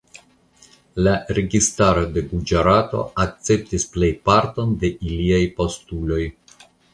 La registaro de Guĝarato akceptis plejparton de iliaj postuloj.